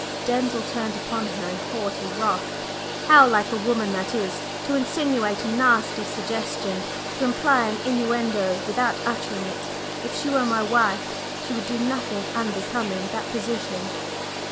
Denzil turned upon her in haughty wrath. "How like a woman that is! To insinuate a nasty suggestion to imply an innuendo without uttering it! If she were my wife, she would do nothing unbecoming that position."